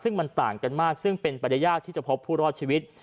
ซึ่งมันต่างกันมากซึ่งเป็นไปได้ยากที่จะพบผู้รอดชีวิต